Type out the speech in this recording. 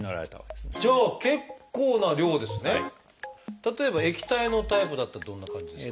例えば液体のタイプだったらどんな感じですか？